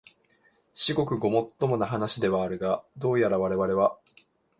至極ごもっともな話ではあるが、どうやらわれわれは、